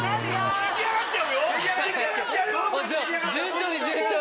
順調に順調に。